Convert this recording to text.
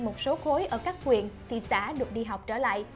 một số khối ở các huyện thị xã được đi học trở lại